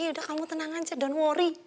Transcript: yaudah kamu tenang aja dan worry